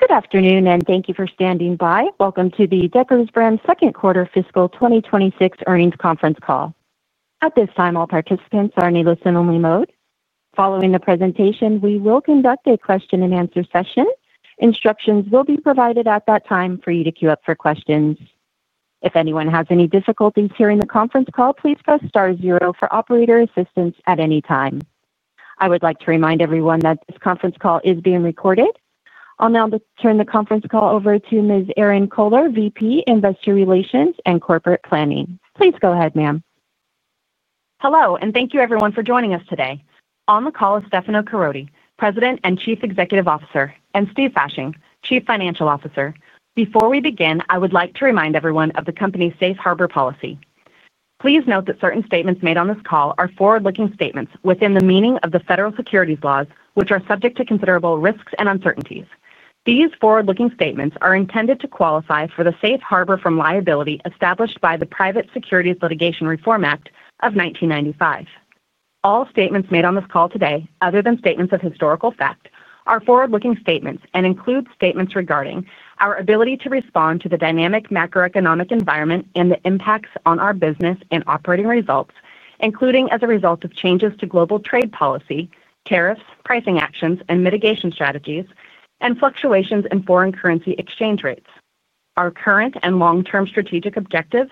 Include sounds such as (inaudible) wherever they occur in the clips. Good afternoon, and thank you for standing by. Welcome to the Deckers Brands Second Quarter Fiscal 2026 Earnings Conference Call. At this time, all participants are in a listen-only mode. Following the presentation, we will conduct a question-and-answer session. Instructions will be provided at that time for you to queue up for questions. If anyone has any difficulties hearing the conference call, please press star zero for operator assistance at any time. I would like to remind everyone that this conference call is being recorded. I'll now turn the conference call over to Ms. Erinn Kohler, VP, Investor Relations and Corporate Planning. Please go ahead, ma'am. Hello. Thank you, everyone for joining us today. On the call is Stefano Caroti, President and Chief Executive Officer, and Steve Fasching, Chief Financial Officer. Before we begin, I would like to remind everyone of the company's safe harbor policy. Please note that certain statements made on this call are forward-looking statements within the meaning of the federal securities laws, which are subject to considerable risks and uncertainties. These forward-looking statements are intended to qualify for the safe harbor from liability established by the Private Securities Litigation Reform Act of 1995. All statements made on this call today, other than statements of historical fact, are forward-looking statements and include statements regarding our ability to respond to the dynamic macroeconomic environment and the impacts on our business and operating results, including as a result of changes to global trade policy, tariffs, pricing actions and mitigation strategies, and fluctuations in foreign currency exchange rates. Our current and long-term strategic objectives,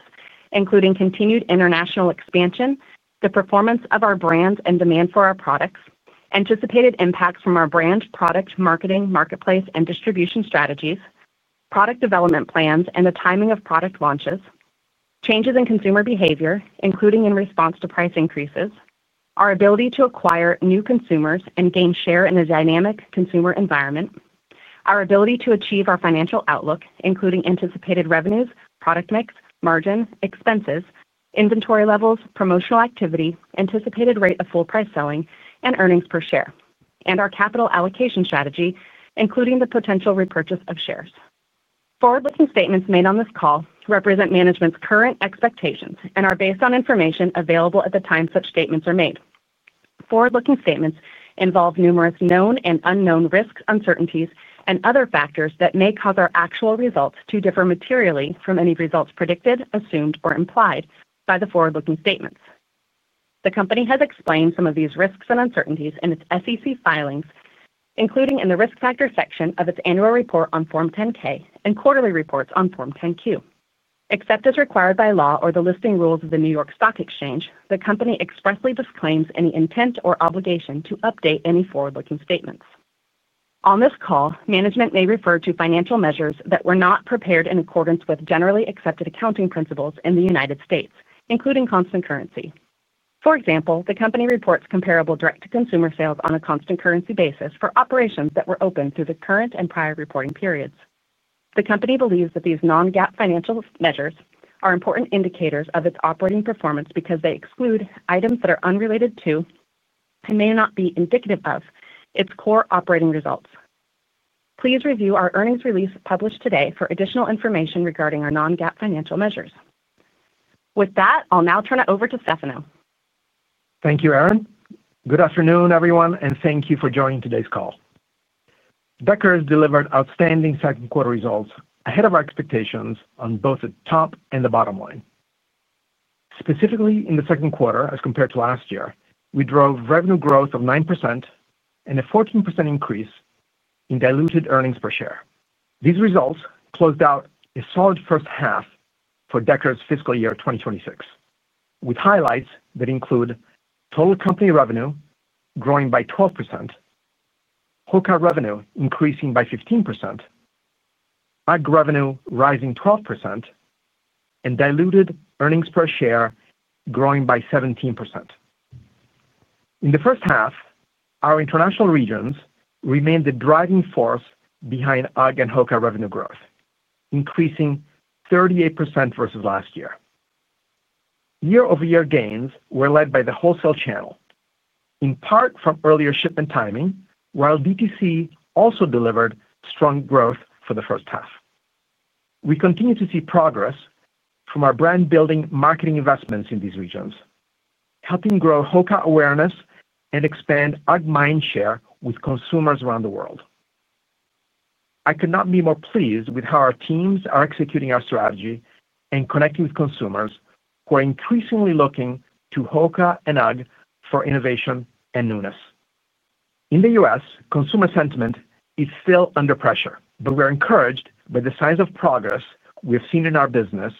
including continued international expansion, the performance of our brands and demand for our products, anticipated impacts from our brand, product, marketing, marketplace, and distribution strategies, product development plans and the timing of product launches, changes in consumer behavior, including in response to price increases, our ability to acquire new consumers and gain share in a dynamic consumer environment, our ability to achieve our financial outlook, including anticipated revenues, product mix, margin, expenses, inventory levels, promotional activity, anticipated rate of full price selling, and earnings per share, and our capital allocation strategy, including the potential repurchase of shares. Forward-looking statements made on this call represent management's current expectations, and are based on information available at the time such statements are made. Forward-looking statements involve numerous known and unknown risks, uncertainties, and other factors that may cause our actual results to differ materially from any results predicted, assumed, or implied by the forward-looking statements. The company has explained some of these risks and uncertainties in its SEC filings, including in the risk factor section of its annual report on Form 10-K and quarterly reports on Form 10-Q. Except as required by law or the listing rules of the New York Stock Exchange, the company expressly disclaims any intent or obligation to update any forward-looking statements. On this call, management may refer to financial measures that were not prepared in accordance with generally accepted accounting principles in the United States, including constant currency. For example, the company reports comparable direct-to-consumer sales on a constant currency basis, for operations that were open through the current and prior reporting periods. The company believes that these non-GAAP financial measures are important indicators of its operating performance, because they exclude items that are unrelated to and may not be indicative of its core operating results. Please review our earnings release published today for additional information regarding our non-GAAP financial measures. With that, I'll now turn it over to Stefano. Thank you, Erinn. Good afternoon, everyone and thank you for joining today's call. Deckers delivered outstanding second-quarter results ahead of our expectations on both the top and the bottom line. Specifically, in the second quarter, as compared to last year, we drove revenue growth of 9% and a 14% increase in diluted earnings per share. These results closed out a solid first half for Deckers' fiscal year 2026, with highlights that include total company revenue growing by 12%, HOKA revenue increasing by 15%, UGG revenue rising 12% and diluted earnings per share growing by 17%. In the first half, our international regions remained the driving force behind UGG and HOKA revenue growth, increasing 38% versus last year. Year-over-year gains were led by the wholesale channel, in part from earlier shipment timing, while DTC also delivered strong growth for the first half. We continue to see progress from our brand-building marketing investments in these regions, helping grow HOKA awareness and expand UGG mindshare with consumers around the world. I could not be more pleased with how our teams are executing our strategy, and connecting with consumers who are increasingly looking to HOKA and UGG for innovation and newness. In the U.S., consumer sentiment is still under pressure, but we are encouraged by the signs of progress we have seen in our business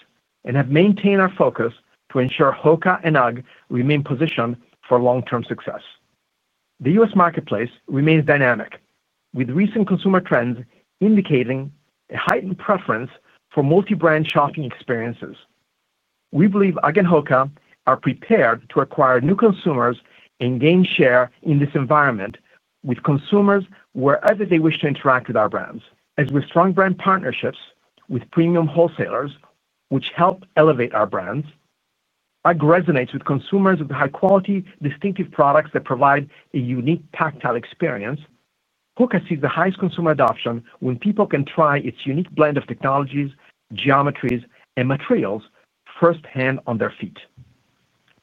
and have maintained our focus, to ensure HOKA and UGG remain positioned for long-term success. The U.S. marketplace remains dynamic, with recent consumer trends indicating a heightened preference for multi-brand shopping experiences. We believe UGG and HOKA are prepared to acquire new consumers, and gain share in this environment with consumers wherever they wish to interact with our brands. With strong brand partnerships with premium wholesalers, which help elevate our brands, UGG resonates with consumers with high-quality, distinctive products that provide a unique tactile experience. HOKA sees the highest consumer adoption when people can try its unique blend of technologies, geometries, and materials firsthand on their feet.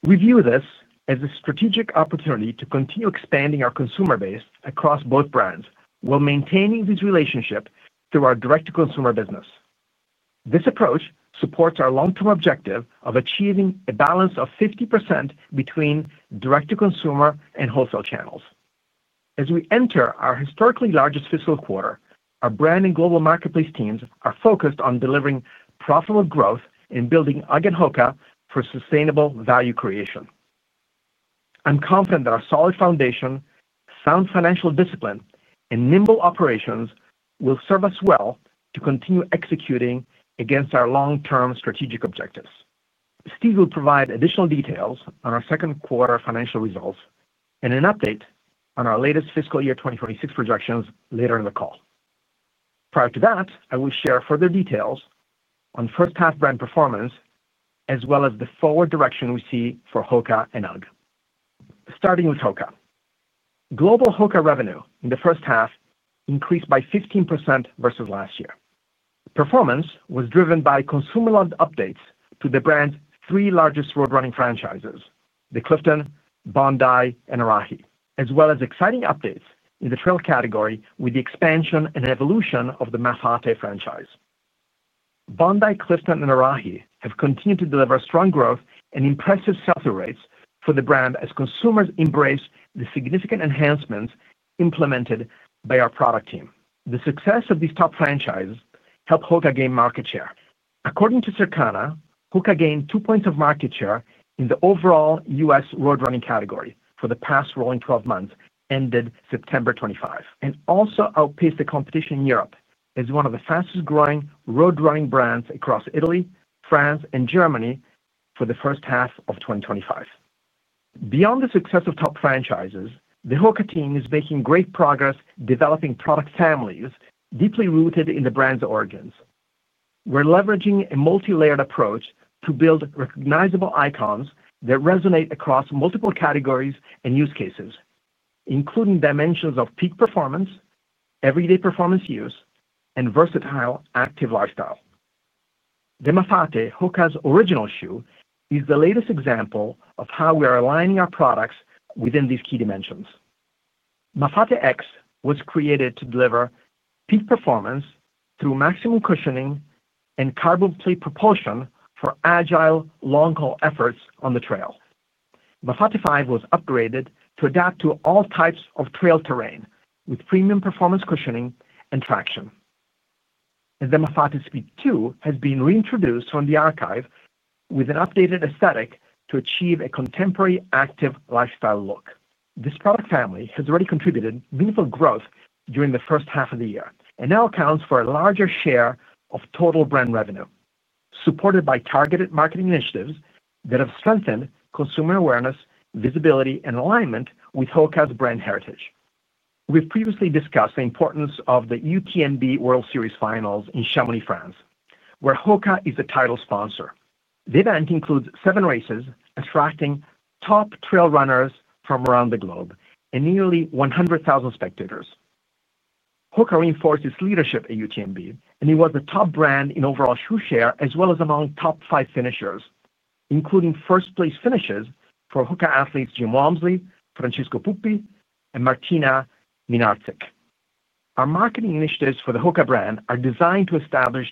We view this as a strategic opportunity to continue expanding our consumer base across both brands, while maintaining this relationship through our direct-to-consumer business. This approach supports our long-term objective of achieving a balance of 50% between direct-to-consumer and wholesale channels. As we enter our historically largest fiscal quarter, our brand and global marketplace teams are focused on delivering profitable growth and building UGG and HOKA for sustainable value creation. I'm confident that our solid foundation, sound financial discipline, and nimble operations will serve us well to continue executing against our long-term strategic objectives. Steve will provide additional details on our second quarter financial results, and an update on our latest fiscal year 2026 projections later in the call. Prior to that, I will share further details on first-half brand performance, as well as the forward direction we see for HOKA and UGG. Starting with HOKA, global HOKA revenue in the first half increased by 15% versus last year. Performance was driven by consumer-led updates to the brand's three largest road-running franchises, the Clifton, Bondi, and Arahi, as well as exciting updates in the trail category with the expansion and evolution of the Mafate franchise. Bondi, Clifton, and Arahi have continued to deliver strong growth and impressive sales rates for the brand, as consumers embrace the significant enhancements implemented by our product team. The success of these top franchises helped HOKA gain market share. According to Circana, HOKA gained two points of market share in the overall U.S. road-running category for the past rolling 12 months, ended September 25, and also outpaced the competition in Europe as one of the fastest-growing road-running brands across Italy, France, and Germany for the first half of 2025. Beyond the success of top franchises, the HOKA team is making great progress developing product families, deeply rooted in the brand's origins. We're leveraging a multi-layered approach to build recognizable icons that resonate across multiple categories and use cases, including dimensions of peak performance, everyday performance use, and versatile active lifestyle. The Mafate, HOKA's original shoe, is the latest example of how we are aligning our products within these key dimensions. Mafate X was created to deliver peak performance through maximum cushioning and carbon plate propulsion, for agile long-haul efforts on the trail. Mafate 5 was upgraded to adapt to all types of trail terrain, with premium performance cushioning and traction. The Mafate Speed 2 has been reintroduced from the archive, with an updated aesthetic to achieve a contemporary active lifestyle look. This product family has already contributed meaningful growth during the first half of the year, and now accounts for a larger share of total brand revenue, supported by targeted marketing initiatives that have strengthened consumer awareness, visibility, and alignment with HOKA's brand heritage. We've previously discussed the importance of the UTMB World Series finals in Chamonix, France, where HOKA is the title sponsor. The event includes seven races, attracting top trail runners from around the globe and nearly 100,000 spectators. HOKA reinforced its leadership at UTMB, and it was the top brand in overall shoe share, as well as among top five finishers, including first-place finishes for HOKA athletes Jim Walmsley, Francesco Puppi, and Martyna Mlynarczyk. Our marketing initiatives for the HOKA brand are designed to establish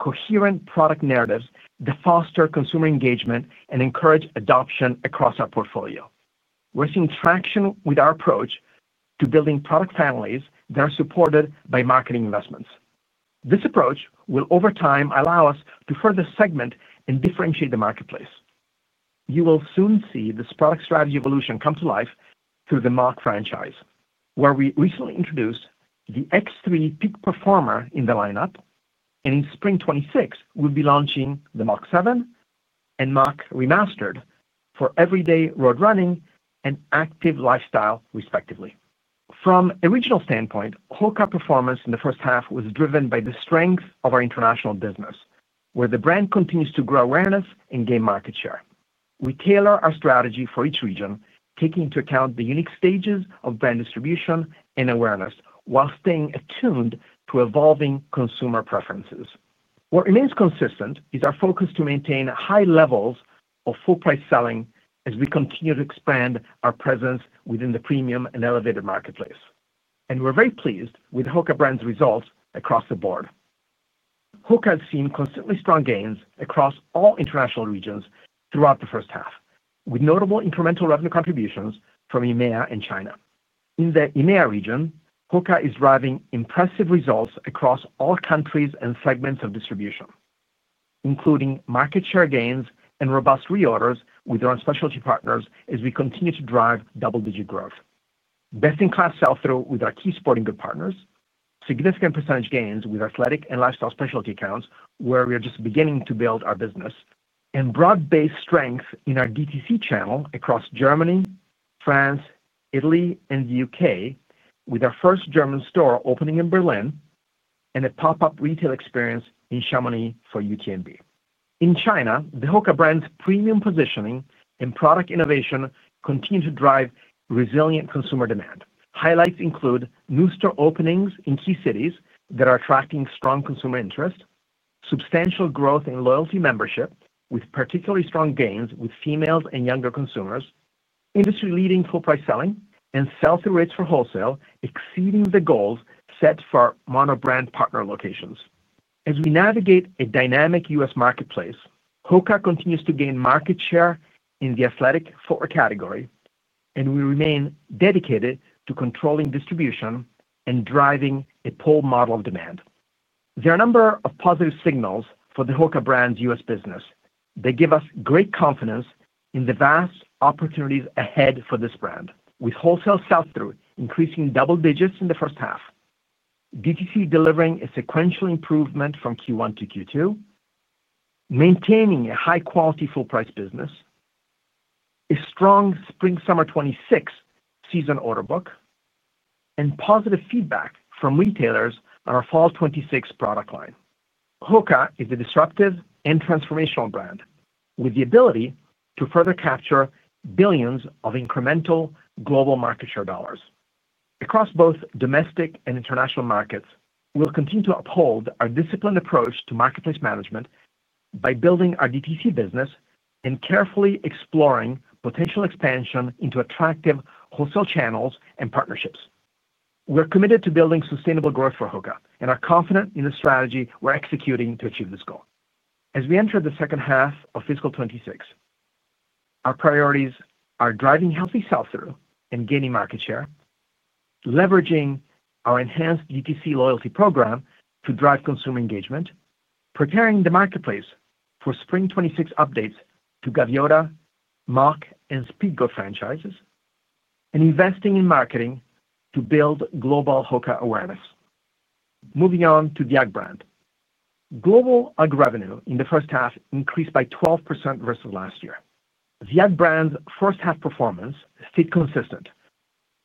coherent product narratives that foster consumer engagement, and encourage adoption across our portfolio. We're seeing traction with our approach to building product families that are supported by marketing investments. This approach will, over time, allow us to further segment and differentiate the marketplace. You will soon see this product strategy evolution come to life through the Mach franchise, where we recently introduced the [X3 Peak Performer] in the lineup, and in spring 2026, we'll be launching the Mach 7 and Mach Remastered for everyday road running and active lifestyle, respectively. From an original standpoint, HOKA performance in the first half was driven by the strength of our international business, where the brand continues to grow awareness and gain market share. We tailor our strategy for each region, taking into account the unique stages of brand distribution and awareness, while staying attuned to evolving consumer preferences. What remains consistent is our focus to maintain high levels of full-price selling as we continue to expand our presence within the premium and elevated marketplace. We're very pleased with the HOKA brand's results across the board. HOKA has seen consistently strong gains across all international regions throughout the first half, with notable incremental revenue contributions from EMEA and China. In the EMEA region, HOKA is driving impressive results across all countries and segments of distribution, including market share gains and robust reorders with our specialty partners, as we continue to drive double-digit growth. Best-in-class sell-through with our key sporting goods partners, significant percentage gains with athletic and lifestyle specialty accounts, where we are just beginning to build our business, and broad-based strength in our DTC channel across Germany, France, Italy, and the U.K., with our first German store opening in Berlin and a pop-up retail experience in Chamonix for UTMB. In China, the HOKA brand's premium positioning and product innovation continue to drive resilient consumer demand. Highlights include new store openings in key cities that are attracting strong consumer interest, substantial growth in loyalty membership, with particularly strong gains with females and younger consumers, industry-leading full-price selling, and sales rates for wholesale, exceeding the goals set for our monobrand partner locations. As we navigate a dynamic U.S. marketplace, HOKA continues to gain market share in the athletic footwear category. We remain dedicated to controlling distribution and driving a pull model of demand. There are a number of positive signals for the HOKA brand's U.S. business, that give us great confidence in the vast opportunities ahead for this brand, with wholesale sell-through increasing double digits in the first half, DTC delivering a sequential improvement from Q1 to Q2, maintaining a high-quality, full-price business, a strong spring-summer 2026 season order book and positive feedback from retailers on our fall 2026 product line. HOKA is a disruptive and transformational brand, with the ability to further capture billions of incremental global market share dollars. Across both domestic and international markets, we'll continue to uphold our disciplined approach to marketplace management, by building our DTC business and carefully exploring potential expansion into attractive wholesale channels and partnerships. We're committed to building sustainable growth for HOKA, and are confident in the strategy we're executing to achieve this goal. As we enter the second half of fiscal 2026, our priorities are driving healthy sell-through and gaining market share, leveraging our enhanced DTC loyalty program to drive consumer engagement, preparing the marketplace for spring 2026 updates to Gaviota, Mach, and Speedgoat franchises, and investing in marketing to build global HOKA awareness. Moving on to the UGG brand. Global UGG revenue in the first half increased by 12% versus last year. The UGG brand's first-half performance stayed consistent,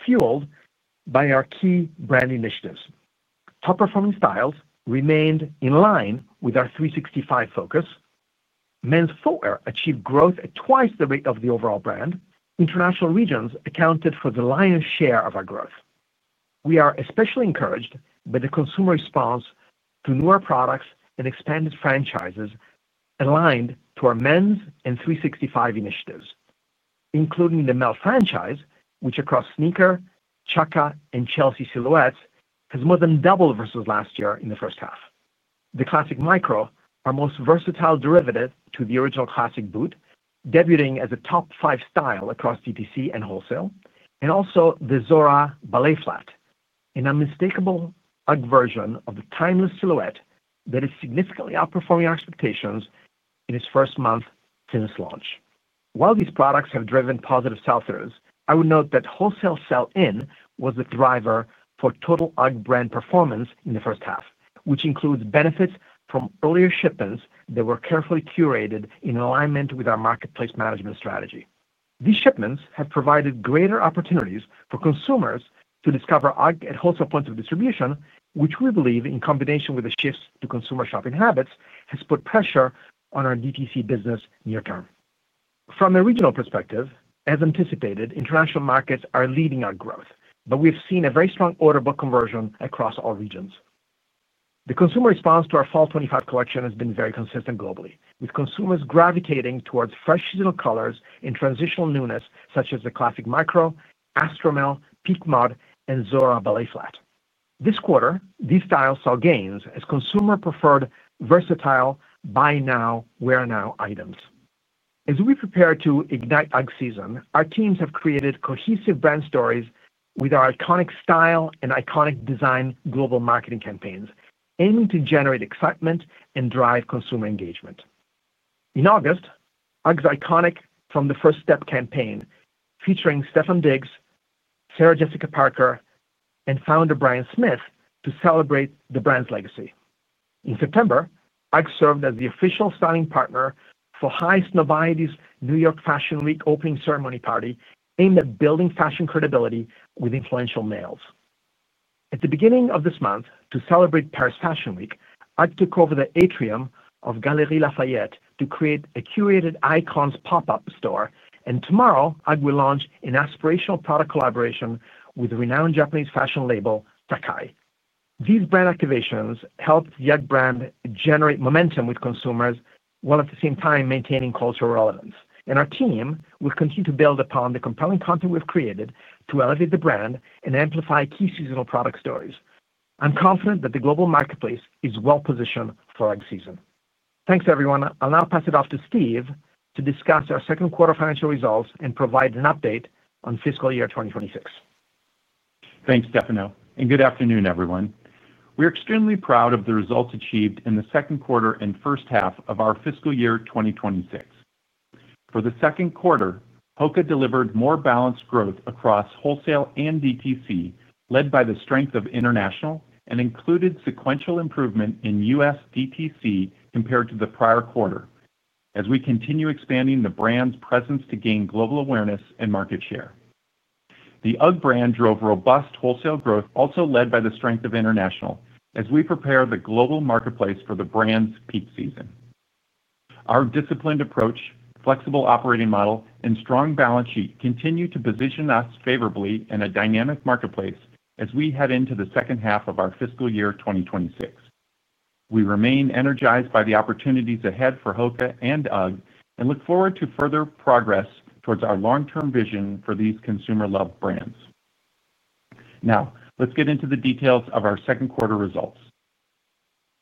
fueled by our key brand initiatives. Top-performing styles remained in line with our 365 focus. Men's footwear achieved growth at twice the rate of the overall brand. International regions accounted for the lion's share of our growth. We are especially encouraged by the consumer response to newer products, and expanded franchises aligned to our men's and 365 initiatives, including the MEL franchise, which across sneaker, chukka, and Chelsea silhouettes has moree than doubled versus last year in the first half. The Classic Micro, our most versatile derivative to the original Classic boot, debuting as a top-five style across DTC and wholesale, and also the Zohar Ziv flat, an unmistakable UGG version of the timeless silhouette that is significantly outperforming our expectations in its first month since launch. While these products have driven positive sell-throughs, I would note that wholesale sell-in was the driver for total UGG brand performance in the first half, which includes benefits from earlier shipments that were carefully curated in alignment with our marketplace management strategy. These shipments have provided greater opportunities for consumers to discover UGG at wholesale points of distribution, which we believe, in combination with the shifts to consumer shopping habits, has put pressure on our DTC business near term. From a regional perspective, as anticipated, international markets are leading our growth, but we've seen a very strong order book conversion across all regions. The consumer response to our fall 2025 collection has been very consistent globally, with consumers gravitating towards fresh seasonal colors and transitional newness such as the Classic Micro, Astromel, Peak Mud, and Zohar Ziv flat. This quarter, these styles saw gains, as consumers preferred versatile buy-now, wear-now items. As we prepare to ignite UGG season, our teams have created cohesive brand stories with our iconic style and iconic design global marketing campaigns, aiming to generate excitement and drive consumer engagement. In August, UGG's iconic "From the First Step" campaign featuring Stefan Diggs, Sarah Jessica Parker, and founder Brian Smith to celebrate the brand's legacy. In September, UGG served as the official styling partner for highest noviety's New York Fashion Week opening ceremony party, aimed at building fashion credibility with influential males. At the beginning of this month, to celebrate Paris Fashion Week, UGG took over the atrium of Galerie Lafayette to create a Curated Icons pop-up store. Tomorrow, UGG will launch an aspirational product collaboration with the renowned Japanese fashion label TAKAI. These brand activations helped the UGG brand generate momentum with consumers, while at the same time maintaining cultural relevance. Our team will continue to build upon the compelling content we've created to elevate the brand, and amplify key seasonal product stories. I'm confident that the global marketplace is well-positioned for UGG season. Thanks, everyone. I'll now pass it off to Steve to discuss our second-quarter financial results, and provide an update on fiscal year 2026. Thanks, Stefano. Good afternoon, everyone. We're extremely proud of the results achieved in the second quarter and first half of our fiscal year 2026. For the second quarter, HOKA delivered more balanced growth across wholesale and DTC, led by the strength of international and included sequential improvement in U.S. DTC compared to the prior quarter, as we continue expanding the brand's presence to gain global awareness and market share. The UGG brand drove robust wholesale growth, also led by the strength of international, as we prepare the global marketplace for the brand's peak season. Our disciplined approach, flexible operating model and strong balance sheet continue to position us favorably in a dynamic marketplace, as we head into the second half of our fiscal year 2026. We remain energized by the opportunities ahead for HOKA and UGG, and look forward to further progress towards our long-term vision for these consumer-loved brands. Now, let's get into the details of our second quarter results.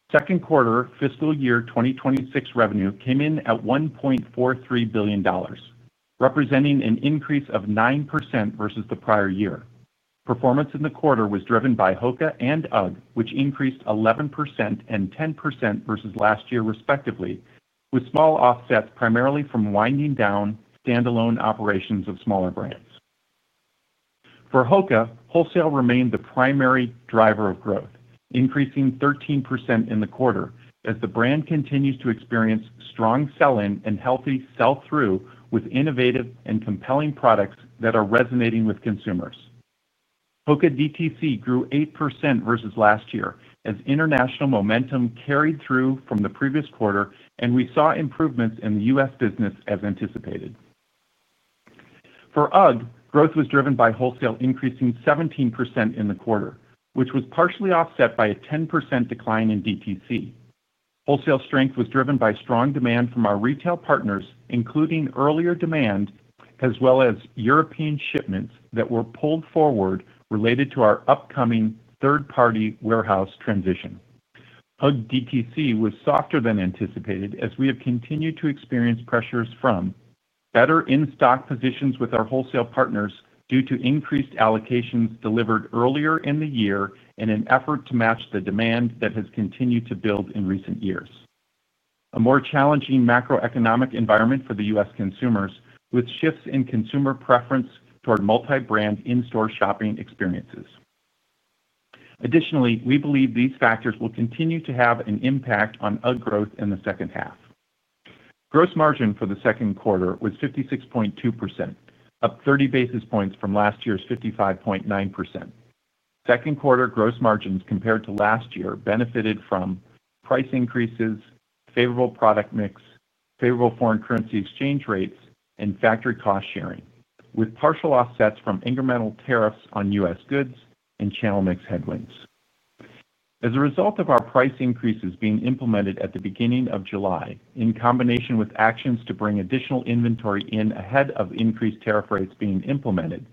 Second quarter fiscal year 2026 revenue came in at $1.43 billion, representing an increase of 9% versus the prior year. Performance in the quarter was driven by HOKA and UGG, which increased 11% and 10% versus last year, respectively, with small offsets primarily from winding down standalone operations of smaller brands. For HOKA, wholesale remained the primary driver of growth, increasing 13% in the quarter as the brand continues to experience strong sell-in and healthy sell-through, with innovative and compelling products that are resonating with consumers. HOKA DTC grew 8% versus last year, as international momentum carried through from the previous quarter and we saw improvements in the U.S. business as anticipated. For UGG, growth was driven by wholesale increasing 17% in the quarter, which was partially offset by a 10% decline in DTC. Wholesale strength was driven by strong demand from our retail partners, including earlier demand as well as European shipments that were pulled forward related to our upcoming third-party warehouse transition. UGG DTC was softer than anticipated, as we have continued to experience pressures from better in-stock positions with our wholesale partners, due to increased allocations delivered earlier in the year in an effort to match the demand that has continued to build in recent years. A more challenging macroeconomic environment for the U.S. consumers, with shifts in consumer preference toward multi-brand in-store shopping experiences. Additionally, we believe these factors will continue to have an impact on UGG growth in the second half. Gross margin for the second quarter was 56.2%, up 30 basis points from last year's 55.9%. Second quarter gross margins compared to last year benefited from price increases, favorable product mix, favorable foreign currency exchange rates, and factory cost sharing, with partial offsets from incremental tariffs on U.S. goods and channel mix headwinds. As a result of our price increases being implemented at the beginning of July, in combination with actions to bring additional inventory in ahead of increased tariff rates being implemented,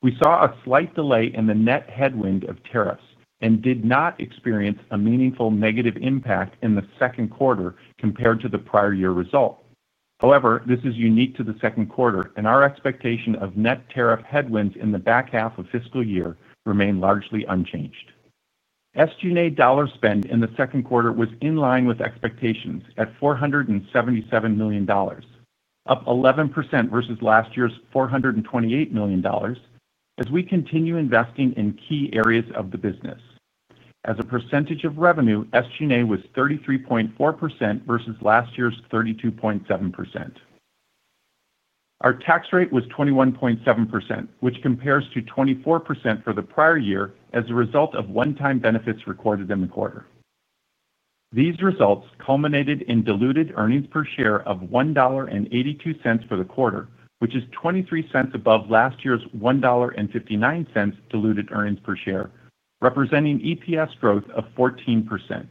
we saw a slight delay in the net headwind of tariffs and did not experience a meaningful negative impact in the second quarter compared to the prior year result. However, this is unique to the second quarter, and our expectation of net tariff headwinds in the back half of fiscal year remained largely unchanged. SG&A dollar spend in the second quarter was in line with expectations at $477 million, up 11% versus last year's $428 million, as we continue investing in key areas of the business. As a percentage of revenue, SG&A was 33.4% versus last year's 32.7%. Our tax rate was 21.7%, which compares to 24% for the prior year as a result of one-time benefits recorded in the quarter. These results culminated in diluted earnings per share of $1.82 for the quarter, which is $0.23 above last year's $1.59 diluted earnings per share, representing EPS growth of 14%.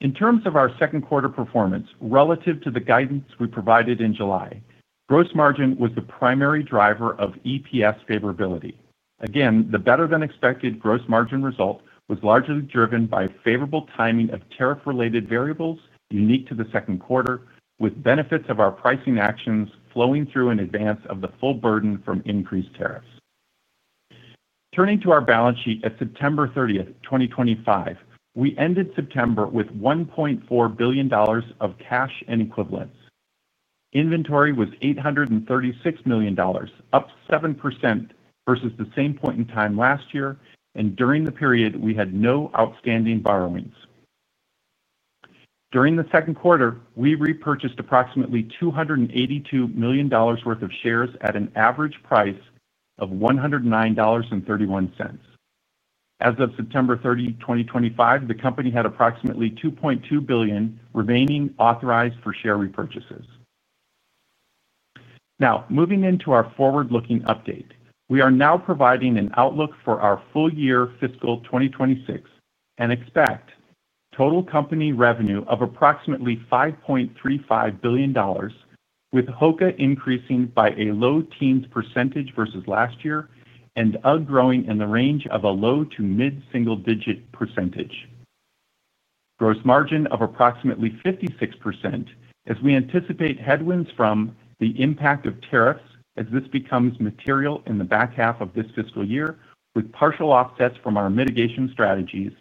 In terms of our second quarter performance relative to the guidance we provided in July, gross margin was the primary driver of EPS favorability. Again, the better-than-expected gross margin result was largely driven by favorable timing of tariff-related variables unique to the second quarter, with benefits of our pricing actions flowing through in advance of the full burden from increased tariffs. Turning to our balance sheet at September 30th, 2025, we ended September with $1.4 billion of cash and equivalents. Inventory was $836 million, up 7% versus the same point in time last year and during the period, we had no outstanding borrowings. During the second quarter, we repurchased approximately $282 million worth of shares, at an average price of $109.31. As of September 30, 2025, the company had approximately $2.2 billion remaining authorized for share repurchases. Now, moving into our forward-looking update, we are now providing an outlook for our full year fiscal 2026, and expect total company revenue of approximately $5.35 billion, with HOKA increasing by a low teens percentage versus last year and UGG growing in the range of a low to mid-single-digit percentage. Gross margin of approximately 56%, as we anticipate headwinds from the impact of tariffs, as this becomes material in the back half of this fiscal year, with partial offsets from our mitigation strategies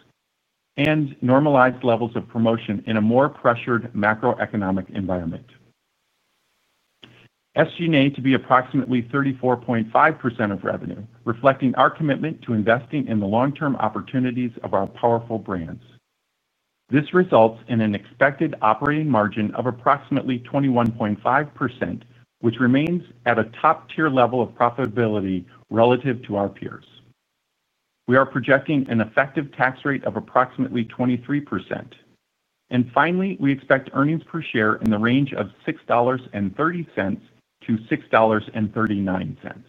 and normalized levels of promotion in a more pressured macroeconomic environment. SG&A to be approximately 34.5% of revenue, reflecting our commitment to investing in the long-term opportunities of our powerful brands. This results in an expected operating margin of approximately 21.5%, which remains at a top-tier level of profitability relative to our peers. We are projecting an effective tax rate of approximately 23%. Finally, we expect earnings per share in the range of $6.30-$6.39.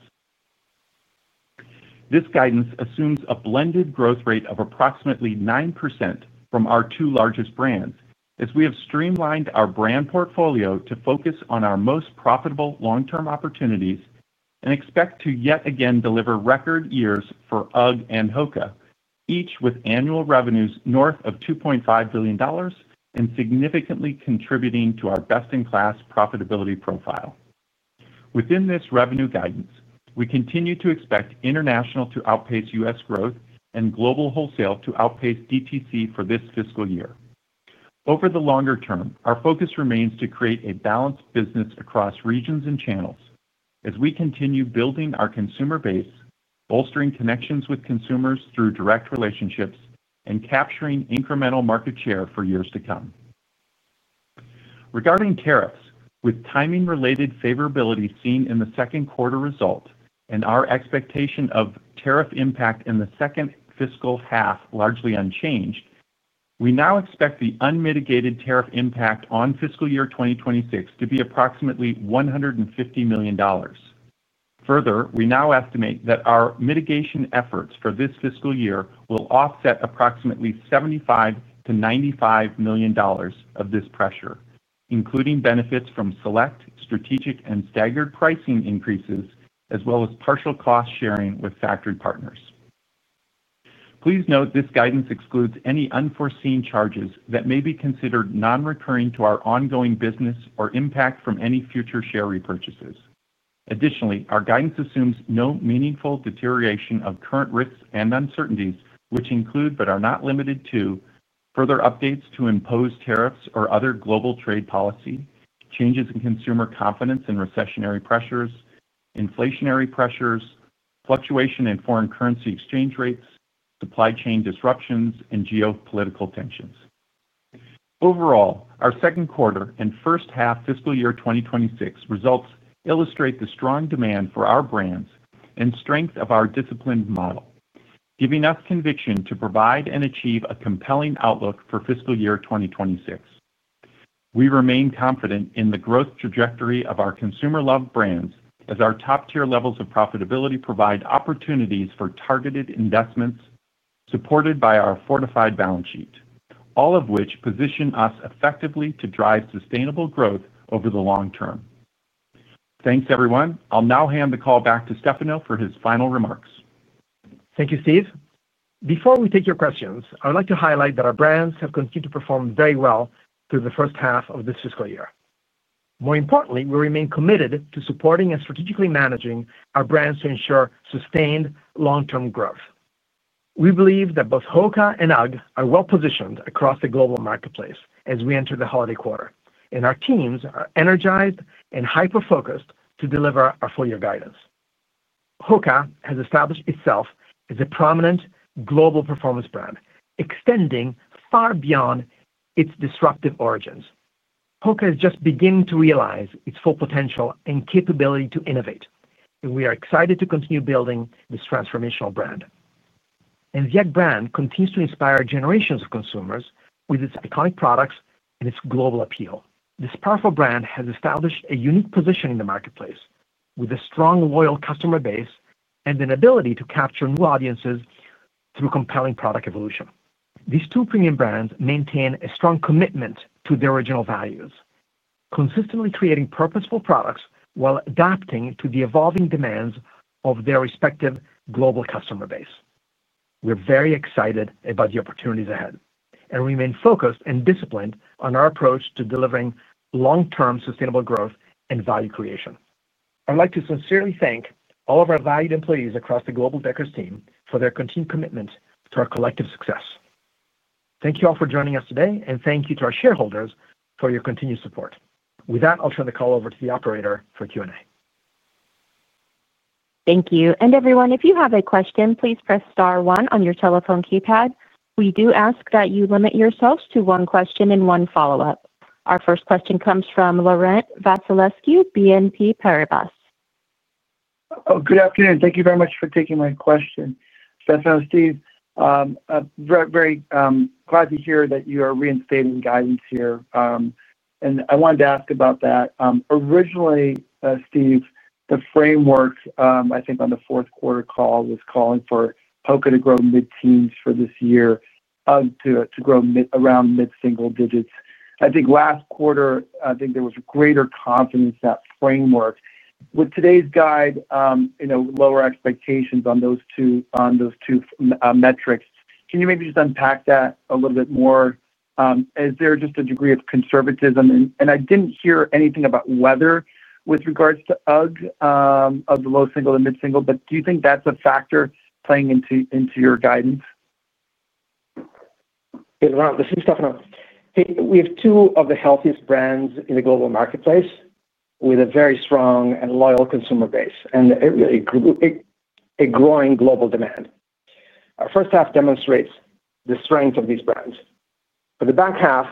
This guidance assumes a blended growth rate of approximately 9% from our two largest brands, as we have streamlined our brand portfolio to focus on our most profitable long-term opportunities and expect to yet again deliver record years for UGG and HOKA, each with annual revenues north of $2.5 billion and significantly contributing to our best-in-class profitability profile. Within this revenue guidance, we continue to expect international to outpace U.S. growth and global wholesale to outpace DTC for this fiscal year. Over the longer term, our focus remains to create a balanced business across regions and channels, as we continue building our consumer base, bolstering connections with consumers through direct relationships and capturing incremental market share for years to come. Regarding tariffs, with timing-related favorability seen in the second quarter result and our expectation of tariff impact in the second fiscal half largely unchanged, we now expect the unmitigated tariff impact on fiscal year 2026 to be approximately $150 million. Further, we now estimate that our mitigation efforts for this fiscal year will offset approximately $75 million-$95 million of this pressure, including benefits from select, strategic, and staggered pricing increases, as well as partial cost sharing with factory partners. Please note, this guidance excludes any unforeseen charges that may be considered non-recurring to our ongoing business or impact from any future share repurchases. Additionally, our guidance assumes no meaningful deterioration of current risks and uncertainties, which include but are not limited to further updates to imposed tariffs or other global trade policy, changes in consumer confidence and recessionary pressures, inflationary pressures, fluctuation in foreign currency exchange rates, supply chain disruptions, and geopolitical tensions. Overall, our second quarter and first half fiscal year 2026 results, illustrate the strong demand for our brands and strength of our disciplined model, giving us conviction to provide and achieve a compelling outlook for fiscal year 2026. We remain confident in the growth trajectory of our consumer-loved brands, as our top-tier levels of profitability provide opportunities for targeted investments supported by our fortified balance sheet, all of which position us effectively to drive sustainable growth over the long term. Thanks, everyone. I'll now hand the call back to Stefano for his final remarks. Thank you, Steve. Before we take your questions, I would like to highlight that our brands have continued to perform very well through the first half of this fiscal year. More importantly, we remain committed to supporting and strategically managing our brands to ensure sustained long-term growth. We believe that both HOKA and UGG are well-positioned across the global marketplace as we enter the holiday quarter, and our teams are energized and hyper-focused to deliver our full-year guidance. HOKA has established itself as a prominent global performance brand, extending far beyond its disruptive origins. HOKA is just beginning to realize its full potential and capability to innovate, and we are excited to continue building this transformational brand. The UGG brand continues to inspire generations of consumers with its iconic products and its global appeal. This powerful brand has established a unique position in the marketplace, with a strong loyal customer base and an ability to capture new audiences through compelling product evolution. These two premium brands maintain a strong commitment to their original values, consistently creating purposeful products, while adapting to the evolving demands of their respective global customer base. We're very excited about the opportunities ahead, and we remain focused and disciplined on our approach to delivering long-term sustainable growth and value creation. I would like to sincerely thank all of our valued employees across the global Deckers team for their continued commitment to our collective success. Thank you all for joining us today, and thank you to our shareholders for your continued support. With that, I'll turn the call over to the operator for Q&A. Thank you. Everyone, if you have a question, please press star, one on your telephone keypad. We do ask that you limit yourselves to one question and one follow-up. Our first question comes from Laurent Vasilescu, BNP Paribas. Oh, good afternoon. Thank you very much for taking my question. Stefano, Steve, I'm very glad to hear that you are reinstating guidance here. I wanted to ask about that. Originally, Steve, the framework, I think on the fourth quarter call was calling for HOKA to grow mid-teens for this year, to grow around mid-single digits. I think last quarter there was greater confidence in that framework. With today's guide, you know, lower expectations on those two metrics, can you maybe just unpack that a little bit more? Is there just a degree of conservatism? I didn't hear anything about weather with regards to UGG of the low-single to mid-single, but do you think that's a factor playing into your guidance? Hey, Laurent. This is Stefano. We have two of the healthiest brands in the global marketplace, with a very strong and loyal consumer base, and a growing global demand. Our first half demonstrates the strength of these brands. For the back half,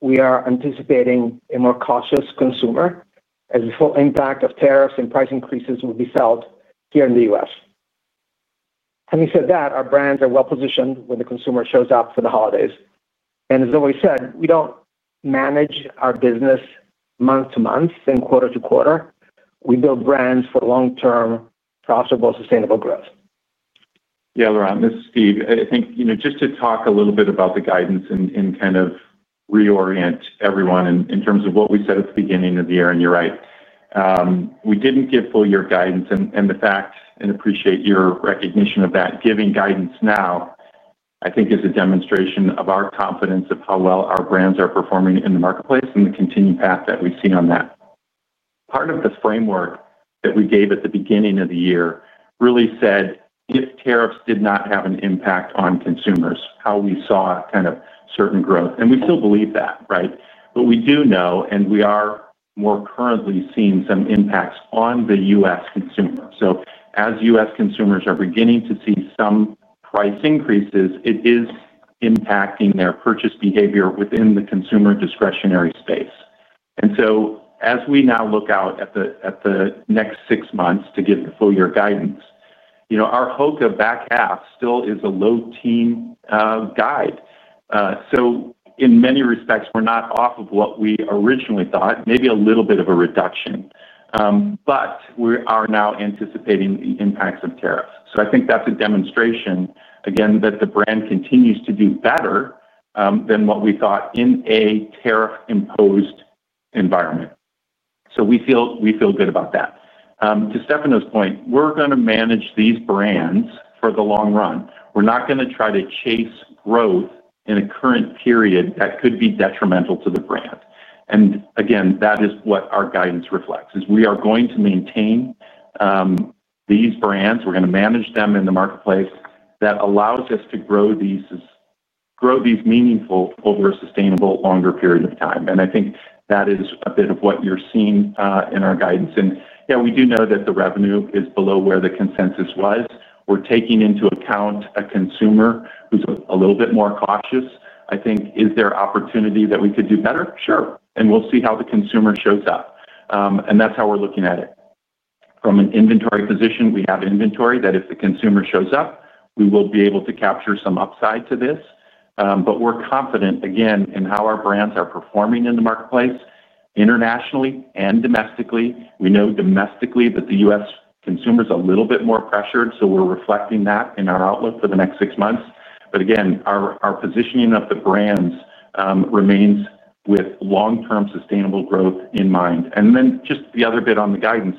we are anticipating a more cautious consumer, as the full impact of tariffs and price increases will be felt here in the U.S. Having said that, our brands are well-positioned when the consumer shows up for the holidays. As I always said, we don't manage our business month to month and quarter to quarter. We build brands for long-term profitable, sustainable growth. Yeah, Laurent. This is Steve. I think, you know, just to talk a little bit about the guidance and kind of reorient everyone in terms of what we said at the beginning of the year, and you're right, we didn't give full-year guidance, and the fact, and I appreciate your recognition of that. Giving guidance now I think is a demonstration of our confidence of how well our brands are performing in the marketplace, and the continued path that we see on that. Part of the framework that we gave at the beginning of the year, really said, if tariffs did not have an impact on consumers, how we saw kind of certain growth and we still believe that, right? We do know, and we are more currently seeing some impacts on the U.S. consumer. As U.S. consumers are beginning to see some price increases, it is impacting their purchase behavior within the consumer discretionary space. As we now look out at the next six months to give the full-year guidance, our HOKA back half still is a low-teens guide. In many respects, we're not off of what we originally thought, maybe a little bit of a reduction, but we are now anticipating the impacts of tariffs. I think that's a demonstration again, that the brand continues to do better than what we thought in a tariff-imposed environment. We feel good about that. To Stefano's point, we're going to manage these brands for the long run. We're not going to try to chase growth in a current period, that could be detrimental to the brand. Again, that is what our guidance reflects, is we are going to maintain these brands. We're going to manage them in the marketplace, that allows us to grow these meaningful over a sustainable longer period of time. I think that is a bit of what you're seeing in our guidance. We do know that the revenue is below where the consensus was. We're taking into account a consumer who's a little bit more cautious. I think, is there opportunity that we could do better? Sure, and we'll see how the consumer shows up. That's how we're looking at it. From an inventory position, we have inventory, that if the consumer shows up, we will be able to capture some upside to this. We're confident again in how our brands are performing in the marketplace internationally and domestically. We know domestically that the U.S. consumer is a little bit more pressured, so we're reflecting that in our outlook for the next six months. Again, our positioning of the brands remains with long-term sustainable growth in mind. Just the other bit on the guidance,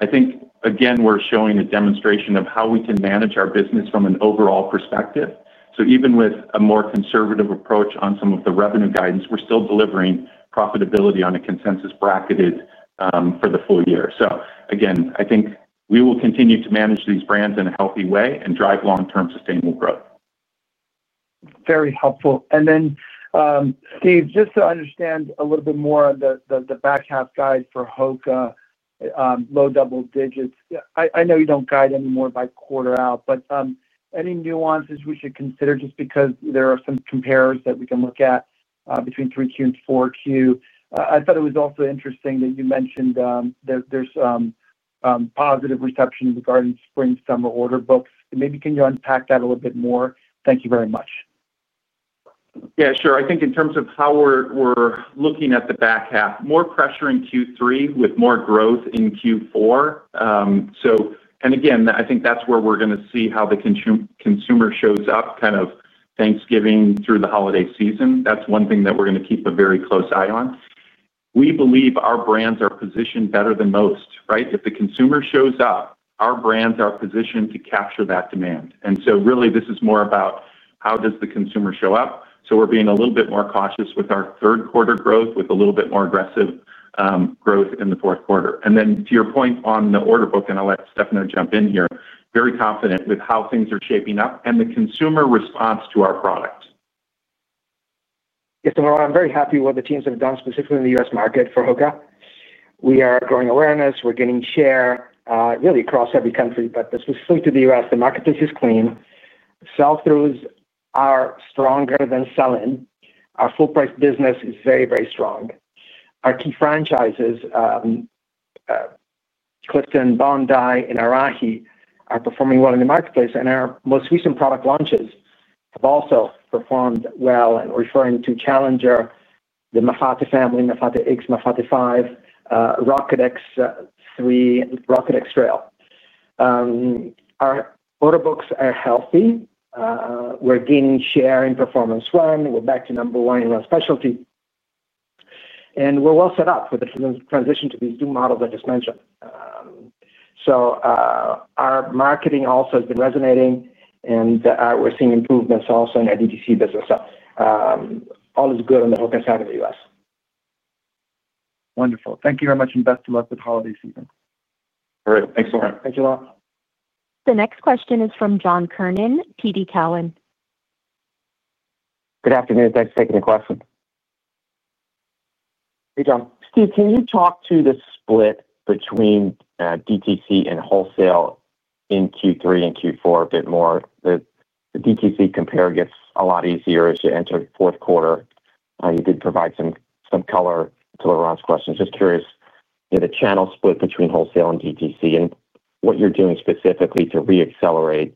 I think again, we're showing a demonstration of how we can manage our business from an overall perspective. Even with a more conservative approach on some of the revenue guidance, we're still delivering profitability on a consensus bracketed for the full year. Again, I think we will continue to manage these brands in a healthy way and drive long-term sustainable growth. Very helpful. Steve, just to understand a little bit more on the back half guide for HOKA low-double digits, I know you don't guide anymore by quarter out, but any nuances we should consider just because there are some comparers that we can look at between 3Q and 4Q? I thought it was also interesting that you mentioned that there's positive reception regarding spring/summer order books. Maybe can you unpack that a little bit more? Thank you very much. Yeah, sure. I think in terms of how we're looking at the back half, more pressure in Q3 with more growth in Q4. Again, I think that's where we're going to see how the consumer shows up, kind of, Thanksgiving through the holiday season. That's one thing that we're going to keep a very close eye on. We believe our brands are positioned better than most, right? If the consumer shows up, our brands are positioned to capture that demand. Really, this is more about, how does the consumer show up? We're being a little bit more cautious with our third-quarter growth, with a little bit more aggressive growth in the fourth quarter. To your point on the order book, and I'll let Stefano jump in here, very confident with how things are shaping up and the consumer response to our product. Yes, and we're very happy with what the teams have done specifically in the U.S. market for HOKA. We are growing awareness. We're getting share really across every country, but specifically to the U.S., the marketplace is clean. Sell-throughs are stronger than sell-in. Our full-price business is very, very strong. Our key franchises, Clifton, Bondi, and Arahi are performing well in the marketplace, and our most recent product launches have also performed well. We're referring to Challenger, the Mafate family, Mafate X, Mafate 5, Rocket X 3, Rocket X Trail. Our order books are healthy. We're gaining share in Performance One. We're back to number one in our specialty, and we're well set up for the transition to these new models I just mentioned. Our marketing also has been resonating, and we're seeing improvements also in our DTC business. All is good on the HOKA side in the U.S. Wonderful. Thank you very much, and best of luck with the holiday season. All right. Thanks, Laurent. Thank you, Laurent. The next question is from John Kernan, TD Cowen. Good afternoon. Thanks for taking the question. Hey, John. Steve, can you talk to the split between DTC and wholesale in Q3 and Q4 a bit more? The DTC compare gets a lot easier as you enter the fourth quarter. You did provide some color to Laurent's question. Just curious, you know, the channel split between wholesale and DTC, and what you're doing specifically to re-accelerate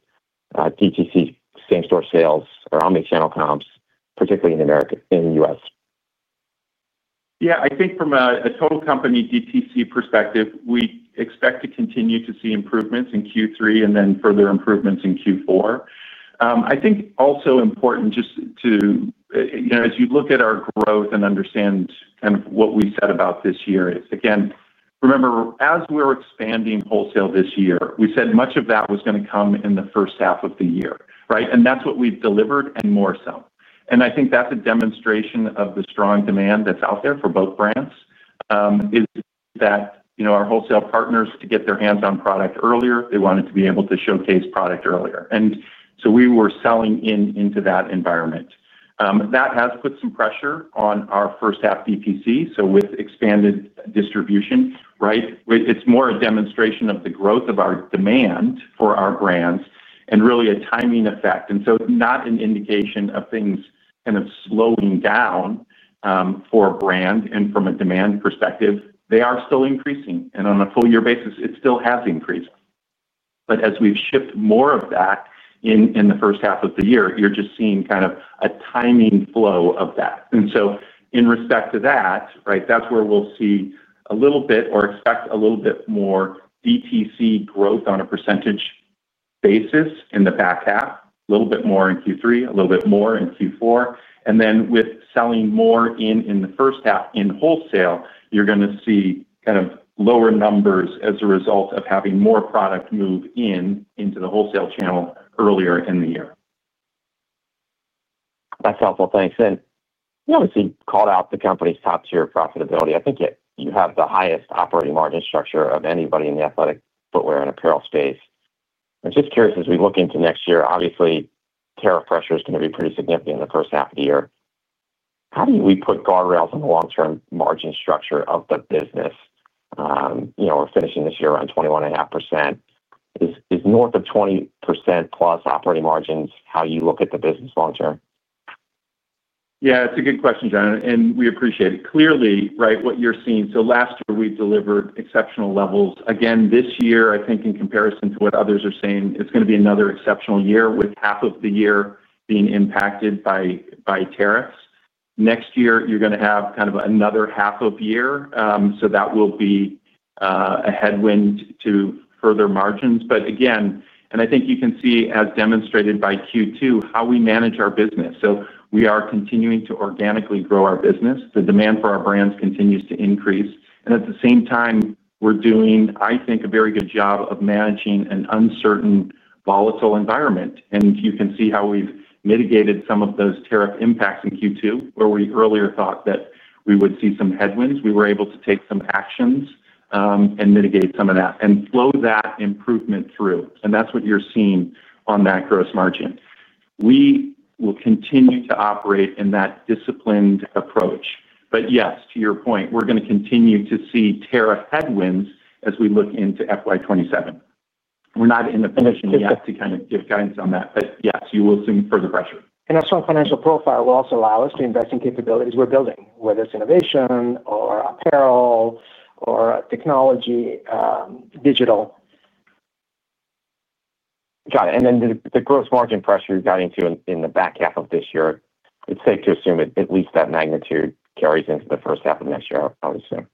DTC same-store sales or omnichannel comps particularly in the US. Yeah, I think from a total company DTC perspective, we expect to continue to see improvements in Q3 and then further improvements in Q4. I think also important, you know, as you look at our growth and understand kind of what we said about this year, it's again, remember as we're expanding wholesale this year, we said much of that was going to come in the first half of the year, right? That's what we've delivered and more so. I think that's a demonstration of the strong demand that's out there for both brands, is that our wholesale partners, to get their hands on product earlier, they wanted to be able to showcase product earlier. We were selling in into that environment. That has put some pressure on our first-half DTC, so with expanded distribution, right? It's more a demonstration of the growth of our demand for our brands, and really a timing effect. It's not an indication of things kind of slowing down for a brand. From a demand perspective, they are still increasing. On a full-year basis, it still has increased. As we've shipped more of that in in the first half of the year, you're just seeing kind of a timing flow of that. In respect to that, right, that's where we'll see a little bit or expect a little bit more DTC growth on a percentage basis in the back half, a little bit more in Q3, a little bit more in Q4. With selling more in the first half in wholesale, you're going to see kind of lower numbers as a result of having more product move in into the wholesale channel earlier in the year. That's helpful. Thanks. You obviously called out the company's top-tier profitability. I think you have the highest operating margin structure of anybody in the athletic footwear and apparel space. I'm just curious, as we look into next year, obviously tariff pressure is going to be pretty significant in the first half of the year. How do we put guardrails on the long-term margin structure of the business? We're finishing this year around 21.5%. Is north of 20%+ operating margins how you look at the business long term? Yeah, it's a good question, John, and we appreciate it. Clearly, what you're seeing, last year we delivered exceptional levels. Again, this year, I think in comparison to what others are saying, it's going to be another exceptional year, with half of the year being impacted by tariffs. Next year, you're going to have kind of another half of year. That will be a headwind to further margins. Again, I think you can see, as demonstrated by Q2, how we manage our business. We are continuing to organically grow our business. The demand for our brands continues to increase. At the same time, we're doing, I think a very good job of managing an uncertain, volatile environment. You can see how we've mitigated some of those tariff impacts in Q2, where we earlier thought that we would see some headwinds. We were able to take some actions, and mitigate some of that and flow that improvement through. That's what you're seeing on that gross margin. We will continue to operate in that disciplined approach. Yes, to your point, we're going to continue to see tariff headwinds as we look into FY 2027. We're not in the position yet to give guidance on that, but yes, you will see [further pressure]. Also, our strong financial profile will also allow us to invest in capabilities we're building, whether it's innovation or apparel, technology, digital. Got it. The gross margin pressure you're guiding to in the back half of this year, it's safe to assume at least that magnitude carries into the first half of next year, I would assume.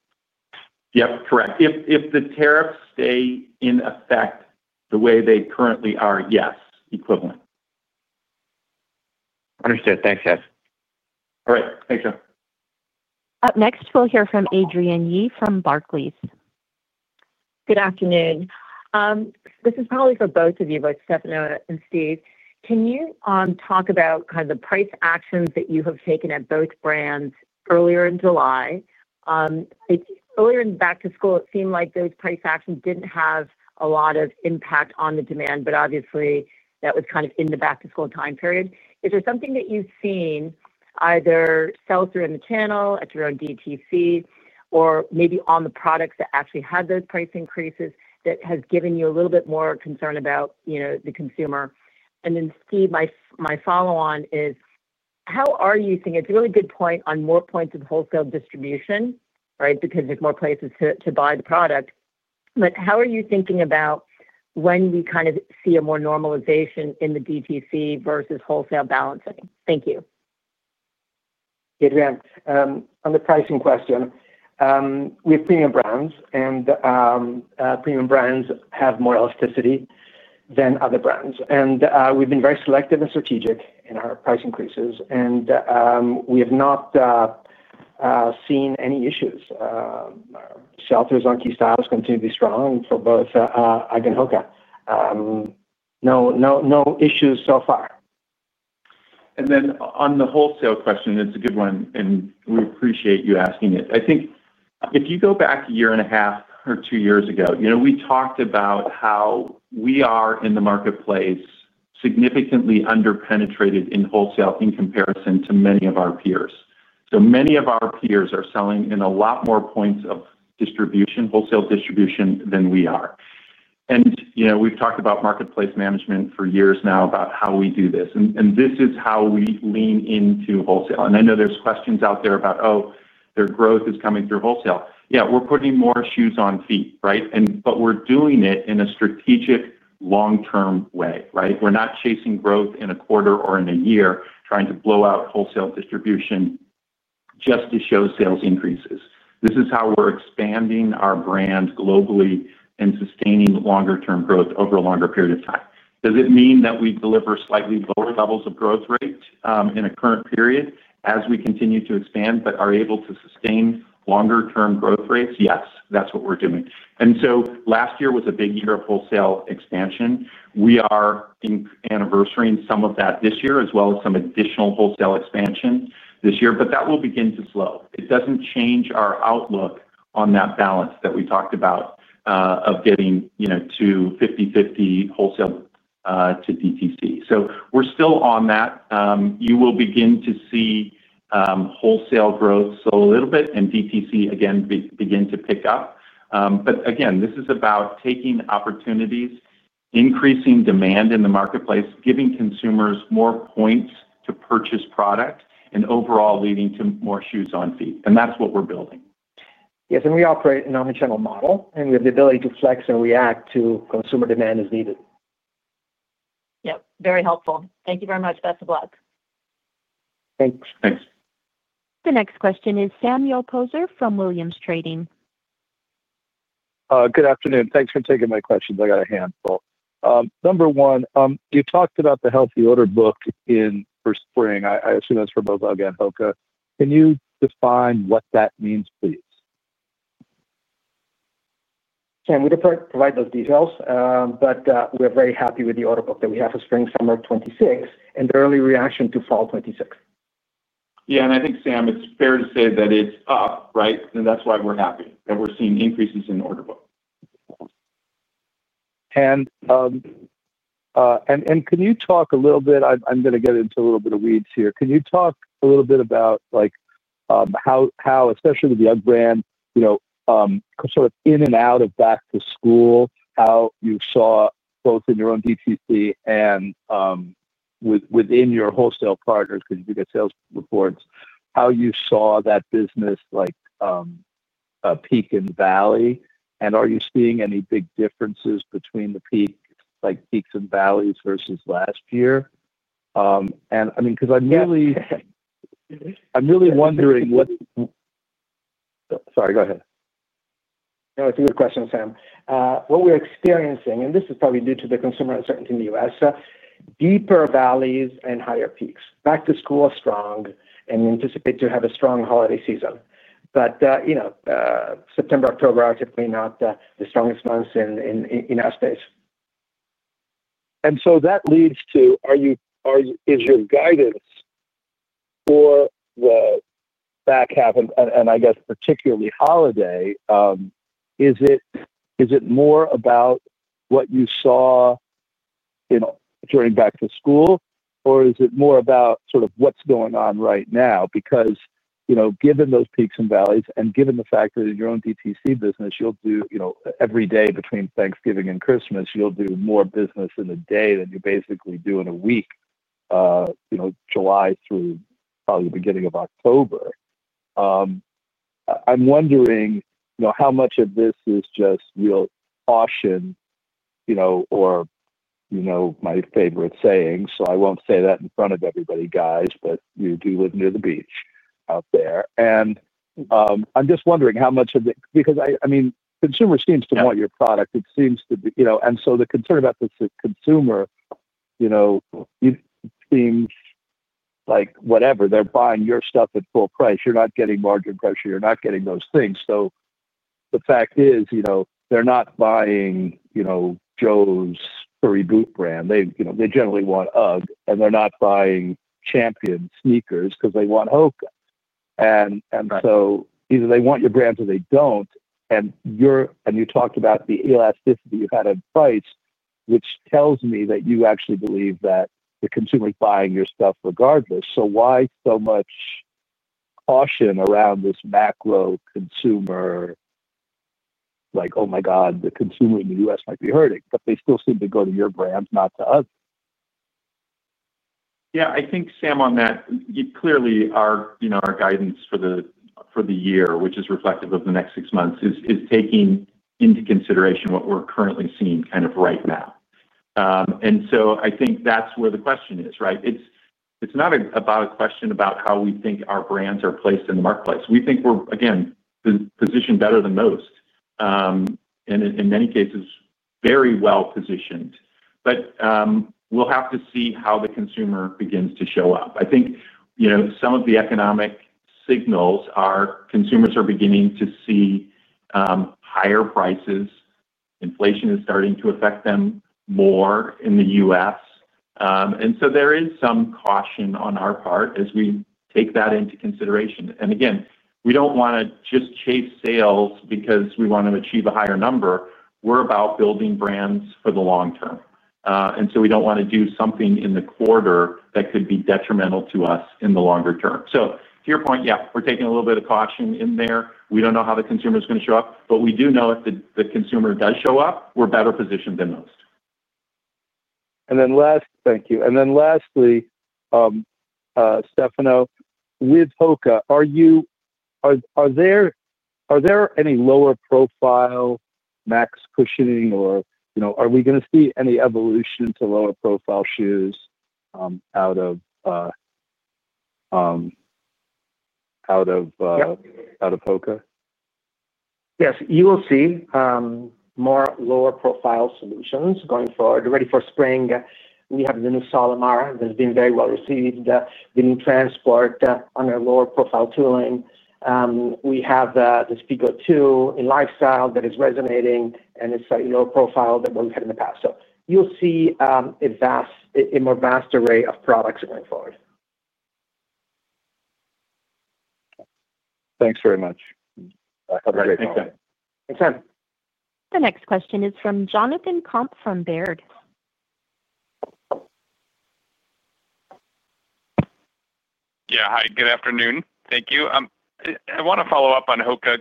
Yep, correct. If the tariffs stay in effect the way they currently are, yes, equivalent. Understood. Thanks, guys. All right. Thanks, John. Up next, we'll hear from Adrian Yee from Barclays. Good afternoon. This is probably for both of you, both Stefano and Steve. Can you talk about kind of the price actions that you have taken at both brands earlier in July? Earlier in back-to-school, it seemed like those price actions didn't have a lot of impact on the demand, but obviously, that was kind of in the back-to-school time period. Is there something that you've seen either sell-through in the channel at your own DTC, or maybe on the products that actually had those price increases, that has given you a little bit more concern about, you know, the consumer? Steve, my follow-on is, how are you thinking? It's a really good point on more points of wholesale distribution, right, because there's more places to buy the product. How are you thinking about when we kind of see a more normalization in the DTC versus wholesale balancing? Thank you. Adrian, on the pricing question, we have premium brands and premium brands have more elasticity than other brands. We've been very selective and strategic in our price increases, and we have not seen any issues. Our sell-throughs on key styles continue to be strong for both UGG and HOKA. No issues so far. On the wholesale question, it's a good one, and we appreciate you asking it. I think if you go back a year and a half or two years ago, we talked about how we are in the marketplace significantly underpenetrated in wholesale in comparison to many of our peers. Many of our peers are selling in a lot more points of wholesale distribution than we are. We've talked about marketplace management for years now, about how we do this. This is how we lean into wholesale. I know there's questions out there about, oh, their growth is coming through wholesale. Yeah, we're putting more shoes on feet, right? We're doing it in a strategic long-term way, right? We're not chasing growth in a quarter or in a year, trying to blow out wholesale distribution just to show sales increases. This is how we're expanding our brand globally, and sustaining longer-term growth over a longer period of time. Does it mean that we deliver slightly lower levels of growth rate in a current period as we continue to expand, but are able to sustain longer-term growth rates? Yes, that's what we're doing. Last year was a big year of wholesale expansion. We are anniversarying some of that this year, as well as some additional wholesale expansion this year, but that will begin to slow. It doesn't change our outlook on that balance that we talked about, of getting to 50/50 wholesale to DTC. We're still on that. You will begin to see wholesale growth slow a little bit and DTC again begin to pick up. Again, this is about taking opportunities, increasing demand in the marketplace, giving consumers more points to purchase product and overall leading to more shoes on feet. That's what we're building. Yes, we operate in an omnichannel model, and we have the ability to flex and react to consumer demand as needed. Yep, very helpful. Thank you very much. Best of luck. Thanks. Thanks. The next question is Samuel Poser from Williams Trading. Good afternoon. Thanks for taking my questions. I got a handful. Number one, you talked about the healthy order bookfor spring. I assume that's for both UGG and HOKA. Can you define what that means, please? Sam, we didn't provide those details, but we are very happy with the order book that we have for spring, summer of 2026 and the early reaction to fall 2026. Yeah. I think, Sam, it's fair to say that it's up, right? That's why we're happy, that we're seeing increases in order book. I'm going to get into a little bit of weeds here. Can you talk a little bit about, especially with the UGG brand, you know, sort of in and out of back-to-school, how you saw both in your own DTC and within your wholesale partners, because you do get sales reports, how you saw that business peak and valley? Are you seeing any big differences between the peaks and valleys versus last year? Sorry, go ahead. No, it's a good question, Sam. What we're experiencing, and this is probably due to the consumer uncertainty in the U.S., are deeper valleys and higher peaks. Back-to-school is strong, and we anticipate to have a strong holiday season. September and October are typically not the strongest months in our space. That leads to, your guidance for the back half, and I guess particularly holiday, is it more about what you saw during back-to-school or is it more about what's going on right now? Given those peaks and valleys, and given the fact that in your own DTC business, every day between Thanksgiving and Christmas, you'll do more business in a day than you basically do in a week, July through probably the beginning of October. I'm wondering, how much of this is just real caution, or my favorite saying? I won't say that in front of everybody, guys, but you do live near the beach out there. Consumers seem to want your product, and so the concern about this consumer, it seems like, whatever, they're buying your stuff at full price. You're not getting margin pressure. You're not getting those things. The fact is, they're not buying, you know, Joe's furry boot brand. They generally want UGG, and they're not buying Champion sneakers because they want HOKA. Either they want your brands or they don't. You talked about the elasticity you had in price, which tells me that you actually believe that the consumer is buying your stuff regardless. Why so much caution around this macro consumer, like, "Oh my God, the consumer in the U.S. might be hurting," but they still seem to go to your brands, not to others. I think, Sam on that, our guidance for the year, which is reflective of the next six months, is taking into consideration what we're currently seeing right now. I think that's where the question is, right? It's not about a question about how we think our brands are placed in the marketplace. We think we're again positioned better than most, and in many cases, very well positioned. We'll have to see how the consumer begins to show up. I think some of the economic signals are, consumers are beginning to see higher prices. Inflation is starting to affect them more in the U.S., and so there is some caution on our part as we take that into consideration. Again, we don't want to just chase sales because we want to achieve a higher number. We're about building brands for the long term. We don't want to do something in the quarter that could be detrimental to us in the longer term. To your point, yeah, we're taking a little bit of caution in there. We don't know how the consumer is going to show up, but we do know if the consumer does show up, we're better positioned than most. Thank you. Lastly, Stefano, with HOKA, are there any lower profile max cushioning, or are we going to see any evolution to lower-profile shoes out of HOKA? Yes, you will see more lower-profile solutions going forward. Ready for spring, we have the new Solimar that has been very well received, the new Transport on their lower-profile tooling. We have the Speedgoat 2 in lifestyle that is resonating, and is slightly lower profile than what we had in the past. You'll see a more vast array of products going forward. Thanks very much. Have a great holiday. Thanks, Sam. Thanks, Sam. The next question is from Jonathan Komp from Baird. Yeah, hi. Good afternoon. Thank you. I want to follow up on HOKA,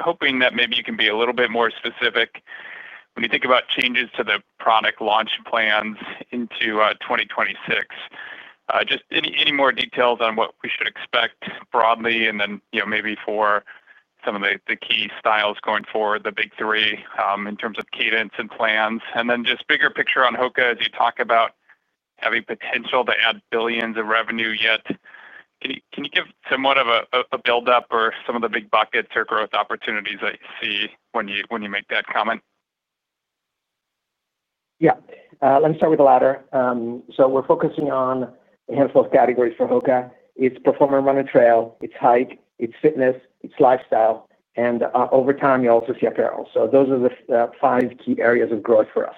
hoping that maybe you can be a little bit more specific when you think about changes to the product launch plans into 2026. Just any more details on what we should expect broadly, and then maybe for some of the key styles going forward, the big three, in terms of cadence and plans. Just bigger picture on HOKA, as you talk about having potential to add billions of revenue yet, can you give somewhat of a build-up or some of the big buckets or growth opportunities that you see when you make that comment? Yeah, let me start with the latter. We're focusing on a handful of categories for HOKA. It's performance on a trail, it's hike, it's fitness, it's lifestyle, and over time, you also see apparel. Those are the five key areas of growth for us.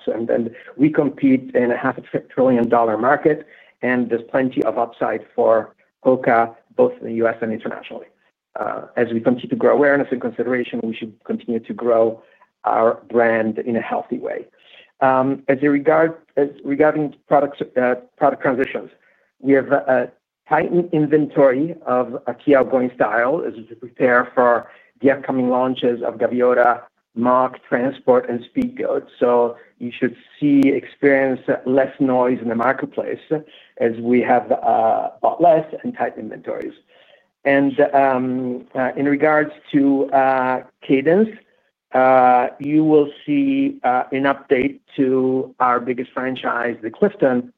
We compete in a half a trillion-dollar market, and there's plenty of upside for HOKA both in the U.S. and internationally. As we continue to grow awareness and consideration, we should continue to grow our brand in a healthy way. Regarding product transitions, we have a tightened inventory of a key outgoing style, as we prepare for the upcoming launches of Gaviota, Mach, Transport, and Speedgoat. You should experience less noise in the marketplace, as we have bought less and tightened inventories. In regards to cadence, you will see an update to our biggest franchise, the Clifton,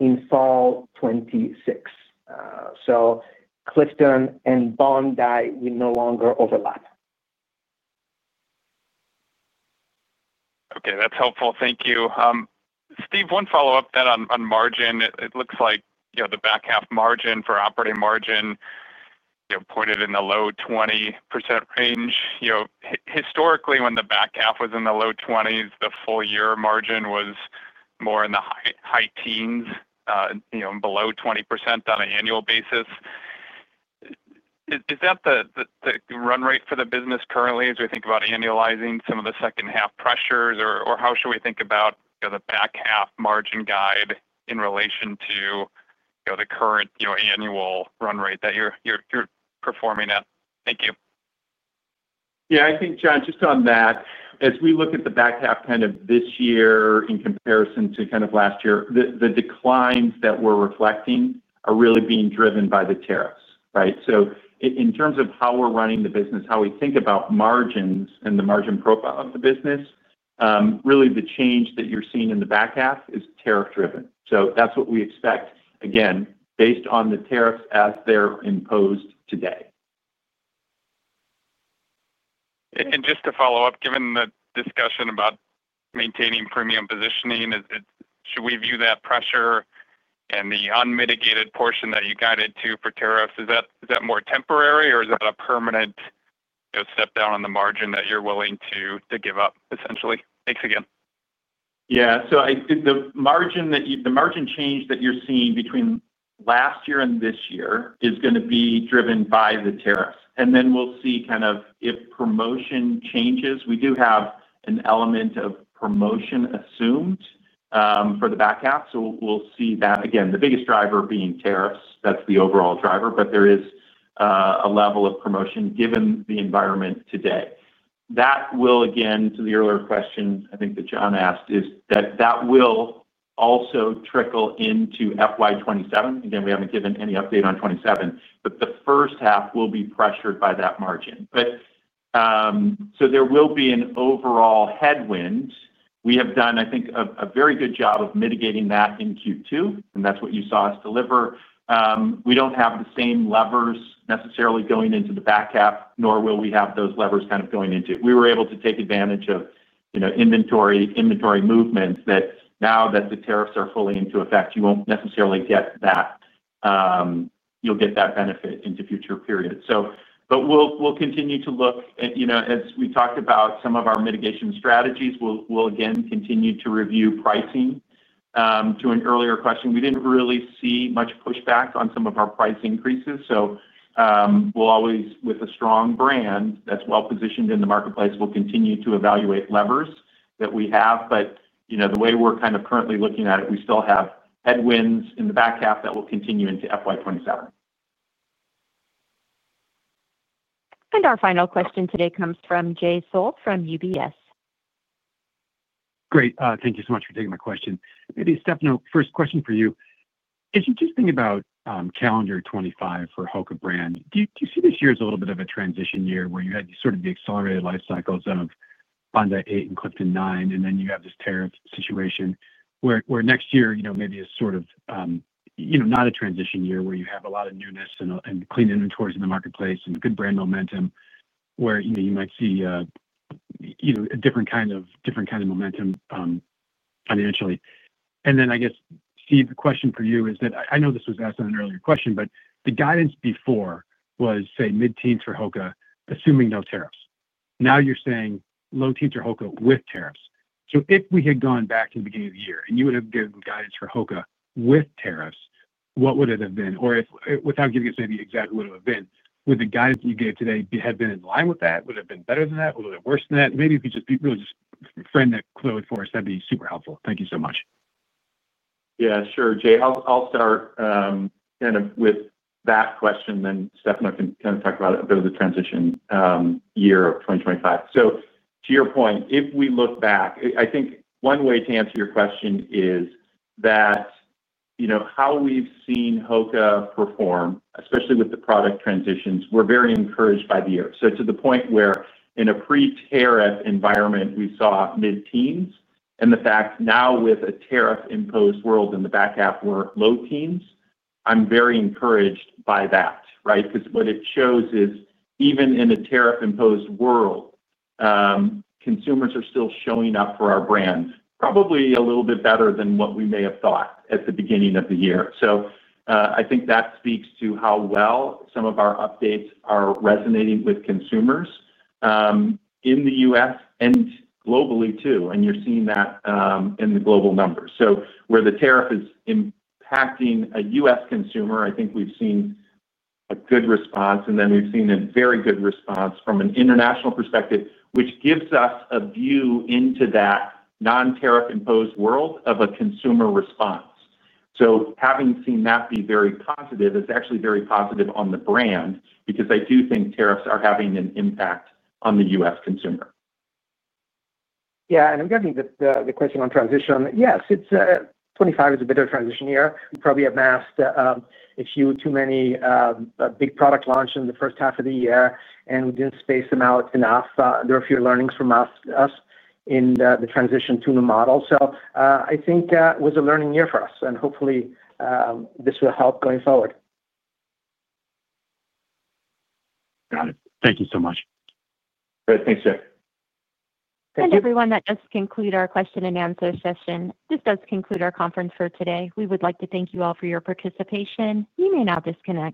in fall 2026. Clifton and Bondi will no longer overlap. Okay, that's helpful. Thank you. Steve, one follow-up then on margin. It looks like the back half margin for operating margin pointed in the low 20% range. Historically, when the back half was in the low 20s, the full-year margin was more in the high teens, and below 20% on an annual basis. Is that the run rate for the business currently as we think about annualizing some of the second-half pressures, or how should we think about the back-half margin guide in relation to the current annual run rate that you're performing at? Thank you. Yeah, I think, John, just on that, as we look at the back half this year in comparison to last year, the declines that we're reflecting are really being driven by the tariffs, right? In terms of how we're running the business, how we think about margins and the margin profile of the business, really the change that you're seeing in the back half is tariff-driven. That's what we expect, again, based on the tariffs as they're imposed today. Just to follow up, given the discussion about maintaining premium positioning, should we view that pressure and the unmitigated portion that you guided to for tariffs? Is that more temporary, or is that a permanent step down on the margin that you're willing to give up essentially? Thanks again. Yeah, so the margin change that you're seeing between last year and this year is going to be driven by the tariffs. We'll see if promotion changes. We do have an element of promotion assumed for the back half, so we'll see that. Again, the biggest driver being tariffs, that's the overall driver, but there is a level of promotion, given the environment today. That will, again, to the earlier question I think that John asked, that will also trickle into FY 2027. We haven't given any update on 2027, but the first half will be pressured by that margin. There will be an overall headwind. We have done, I think a very good job of mitigating that in Q2, and that's what you saw us deliver. We don't have the same levers necessarily going into the back half, nor will we have those levers going into it. We were able to take advantage of inventory movements, that now that the tariffs are fully into effect, you'll get that benefit into future periods. We'll continue to look, you know, as we talked about some of our mitigation strategies, we will again continue to review pricing. To an earlier question, we didn't really see much pushback on some of our price increases. We will always, with a strong brand that's well-positioned in the marketplace, continue to evaluate levers that we have. You know, the way we're kind of currently looking at it, we still have headwinds in the back half that will continue into FY 2027. Our final question today comes from Jay Sole from UBS. Great. Thank you so much for taking my question. Maybe Stefano, first question for you. It's interesting about calendar 2025 for HOKA brands. Do you see this year as a little bit of a transition year where you had sort of the accelerated life cycles of Bondi 8 and Clifton 9, and then you have this tariff situation, where next year, you know, maybe is not a transition year, where you have a lot of newness and clean inventories in the marketplace and good brand momentum, where you might see a different kind of momentum financially. I guess, Steve, the question for you is that, I know this was asked in an earlier question, but the guidance before was say, mid-teens for HOKA, assuming no tariffs. Now you're saying low teens for HOKA with tariffs. If we had gone back to the beginning of the year and you would have given guidance for HOKA with tariffs, what would it have been? Without giving us maybe exactly what it would have been, would the guidance that you gave today have been in line with that? Would it have been better than that? Would it have been worse than that? Maybe if you could just really (crosstalk) for us, that'd be super helpful. Thank you so much. Yeah, sure. Jay, I'll start with that question, then Stefano can talk about a bit of the transition, year of 2025. To your point, if we look back, I think one way to answer your question is that, how we've seen HOKA perform, especially with the product transitions, we're very encouraged by the year. To the point where in a pre-tariff environment we saw mid-teens, and the fact now with a tariff-imposed world in the back half, we're low teens, I'm very encouraged by that, right? What it shows is, even in a tariff-imposed world, consumers are still showing up for our brands, probably a little bit better than what we may have thought at the beginning of the year. I think that speaks to how well some of our updates are resonating with consumers, in the U.S. and globally too. You're seeing that in the global numbers. Where the tariff is impacting a U.S. consumer, I think we've seen a good response and then we've seen a very good response from an international perspective, which gives us a view into that non-tariff-imposed world of a consumer response. Having seen that be very positive is actually very positive on the brand, because I do think tariffs are having an impact on the U.S. consumer. Yeah. I'm guessing that the question on transition, yes, 2025 is a bit of a transition year. Probably I've asked a few too many, big product launch in the first half of the year, and we didn't space them out enough. There were a few learnings for us in the transition to the model. I think it was a learning year for us, and hopefully this will help going forward. Got it. Thank you so much. Great. Thanks, Jay. (crosstalk) Thank you, everyone. That does conclude our question-and-answer session. This does conclude our conference for today. We would like to thank you all for your participation. You may now disconnect.